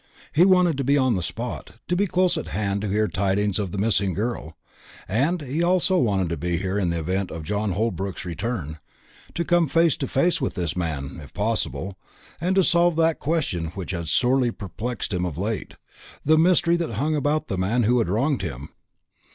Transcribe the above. He wanted to be on the spot, to be close at hand to hear tidings of the missing girl, and he wanted also to be here in the event of John Holbrook's return to come face to face with this man, if possible, and to solve that question which had sorely perplexed him of late the mystery that hung about the man who had wronged him.